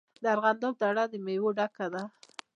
د ارغنداب دره د میوو ډکه ده.